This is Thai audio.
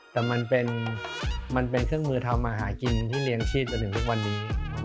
แต่มันเป็นเครื่องมือทำมาหากินที่เลี้ยงชีพจนถึงทุกวันนี้